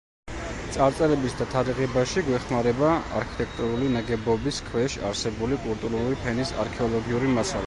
წარწერების დათარიღებაში გვეხმარება არქიტექტურული ნაგებობის ქვეშ არსებული კულტურული ფენის არქეოლოგიური მასალა.